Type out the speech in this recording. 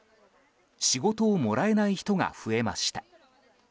仕事をもらえない人が増えました。